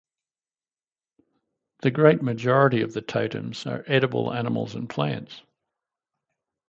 The great majority of the totems are edible animals and plants.